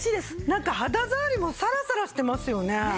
なんか肌触りもサラサラしてますよね。